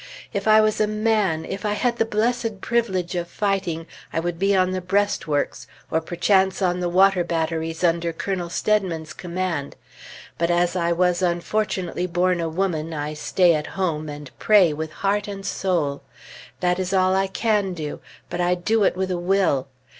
If I was a man, if I had the blessed privilege of fighting, I would be on the breastworks, or perchance on the water batteries under Colonel Steadman's command. But as I was unfortunately born a woman, I stay home and pray with heart and soul. That is all I can do; but I do it with a will.